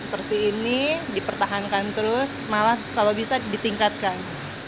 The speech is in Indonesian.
seperti ini dipertahankan terus malah kalau bisa ditingkatkan